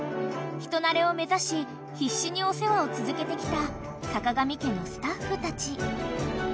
［人慣れを目指し必死にお世話を続けてきた坂上家のスタッフたち］